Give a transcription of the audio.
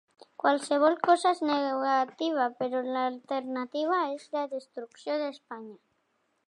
Qualsevol cosa és negativa, però l’alternativa és la destrucció d’Espanya.